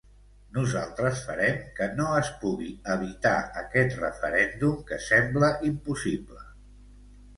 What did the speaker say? Nosaltres farem que no es pugui evitar aquest referèndum que sembla impossible.